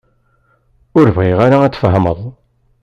Ur bɣiɣ ara ad tfehmeḍ.